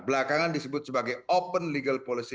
belakangan disebut sebagai open legal policy